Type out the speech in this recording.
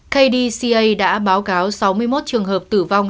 kdca đã báo cáo sáu mươi một trường hợp tử vong